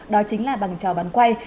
đó chính là bằng trò bắn quay